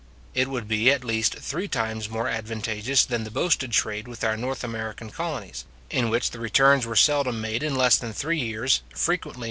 It would be, at least, three times more advantageous than the boasted trade with our North American colonies, in which the returns were seldom made in less than three years, frequently not in less than four or five years.